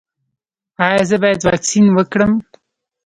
ایا زه باید واکسین وکړم؟